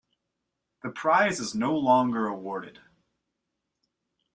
The prize is no longer awarded.